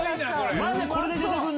まじでこれで出てくんの？